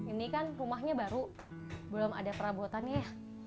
ini kan rumahnya baru belum ada perabotan ya